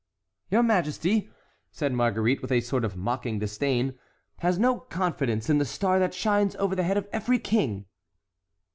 "Your majesty," said Marguerite, with a sort of mocking disdain, "has no confidence in the star that shines over the head of every king!"